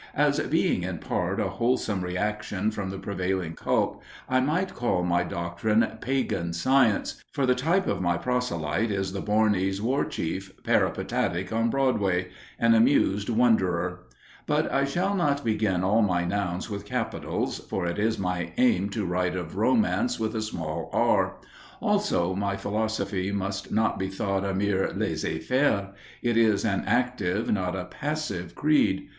As being, in part, a wholesome reaction from the prevailing cult, I might call my doctrine Pagan Science, for the type of my proselyte is the Bornese war chief peripatetic on Broadway the amused wonderer. But I shall not begin all my nouns with capitals, for it is my aim to write of romance with a small "r." Also my philosophy must not be thought a mere laissez faire; it is an active, not a passive creed.